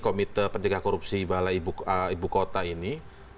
komite penjaga korupsi balai ibu kota ini